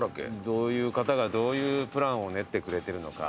どういう方がどういうプランを練ってくれてるのか。